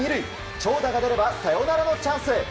長打が出ればサヨナラのチャンス。